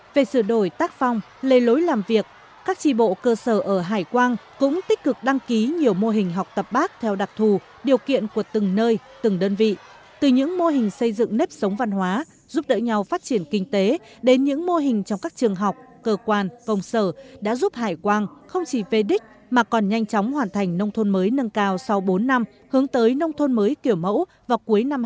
về sửa đổi tác phong lê lối làm việc các tri bộ cơ sở ở hải quang cũng tích cực đăng ký nhiều mô hình học tập bác theo đặc thù điều kiện của từng nơi từng đơn vị từ những mô hình xây dựng nếp sống văn hóa giúp đỡ nhau phát triển kinh tế đến những mô hình trong các trường học cơ quan công sở đã giúp hải quang không chỉ phê đích mà còn nhanh chóng hoàn thành nông thôn mới nâng cao sau bốn năm hướng tới nông thôn mới kiểu mẫu vào cuối năm hai nghìn hai mươi